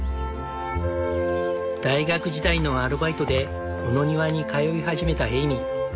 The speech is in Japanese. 大学時代のアルバイトでこの庭に通い始めたエイミー。